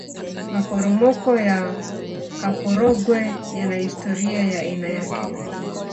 maporomoko ya kaporogwe yana hisitoria ya aina yake